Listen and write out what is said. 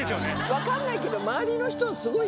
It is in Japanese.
分かんないけど。